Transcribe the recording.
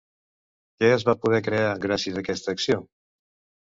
Què es va poder crear gràcies a aquesta acció?